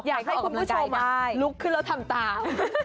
อยากให้คุณผู้ชมลุกขึ้นแล้วทำตาม